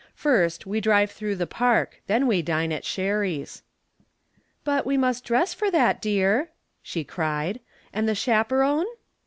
First, we drive through the Park, then we dine at Sherry's." "But we must dress for that, dear," she cried. "And the chaperon?"